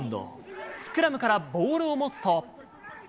スクラムからボールを持つと。